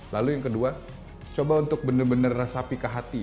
lalu yang kedua coba untuk bener bener rasapi ke hati